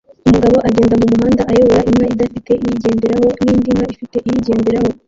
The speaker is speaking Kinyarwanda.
Umugabo agenda mumuhanda ayobora inka idafite uyigenderaho nindi nka ifite uyigenderaho